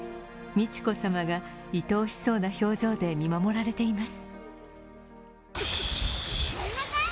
美智子さまがいとおしそうな表情で見守られています。